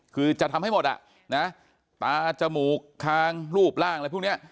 คือจะทำให้หมดอ่ะนะตาจมูกคางรูปร่างอะไรพวกนี้